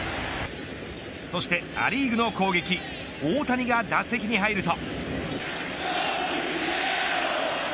そしてア・リーグの攻撃大谷が打席に入ると。